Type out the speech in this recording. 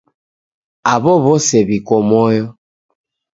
Aw'o w'ose w'iko moyo.